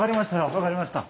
分かりました。